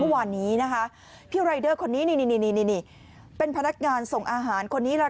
วันนี้นะฮะพี่รายเดอร์คนนี้นี่เป็นพนักงานส่งอาหาร